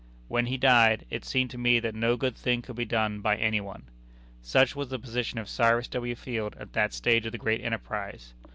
When he died, it seemed to me that no good thing could be done by any one. Such was the position of Cyrus W. Field at that stage of the great enterprise.